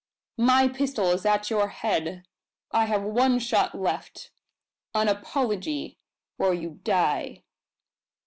"My pistol is at your head! I have one shot left an apology, or you die!"